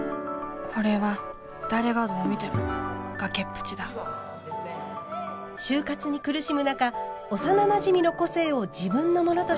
これは誰がどう見ても崖っぷちだ就活に苦しむ中幼なじみの個性を自分のものとして偽った主人公。